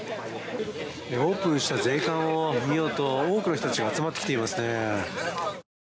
オープンした税関を見ようと多くの人たちが集まってきていますね。